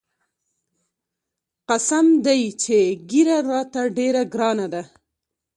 قسم دى چې ږيره راته ډېره ګرانه ده.